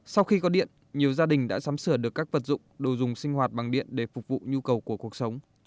sau khi có điện nhiều gia đình đã sắm sửa được các vật dụng đồ dùng sinh hoạt bằng điện để phục vụ nhu cầu của cuộc sống